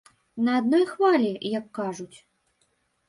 На адной хвалі, як кажуць.